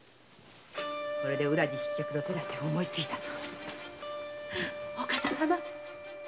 これで浦路失脚の手だてを思いついたぞ。